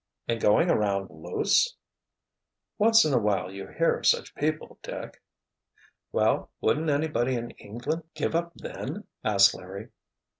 And going around, loose?" "Once in awhile you hear of such people, Dick." "Well, wouldn't anybody in England give up then?" asked Larry.